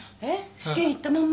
試験行ったまんま？